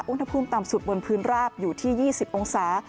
อุณหภูมิต่ำสุดบนพื้นราบอยู่ที่๒๐องศา